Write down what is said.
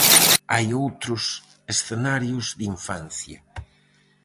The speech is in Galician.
Hai outros escenarios de infancia.